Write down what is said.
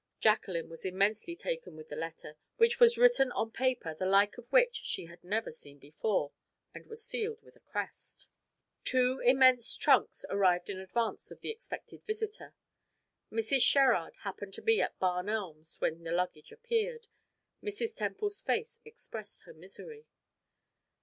Jacqueline was immensely taken with the letter, which was written on paper the like of which she had never seen before, and was sealed with a crest. Two immense trunks arrived in advance of the expected visitor. Mrs. Sherrard happened to be at Barn Elms when the luggage appeared. Mrs. Temple's face expressed her misery.